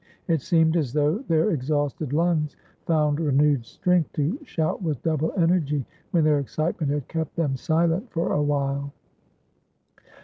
It seemed as though their exhausted lungs found renewed strength to shout with double energy when their excitement had kept them silent for a while.